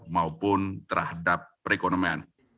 maupun terhadap perekonomian